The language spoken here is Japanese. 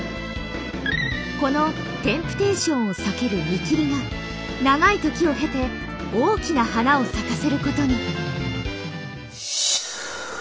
この「テンプテーション」を避ける「見切り」が長い時を経て大きな花を咲かせることに。